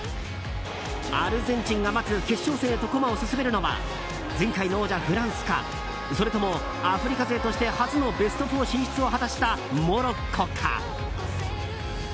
アルゼンチンが待つ決勝戦へと駒を進めるのは前回の王者のフランスかそれともアフリカ勢として初のベスト４進出を果たしたモロッコか。